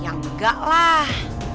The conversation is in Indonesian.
ya enggak lah